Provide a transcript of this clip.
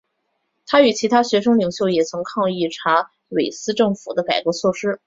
他与其他学生领袖也曾抗议查韦斯政府的改革措施。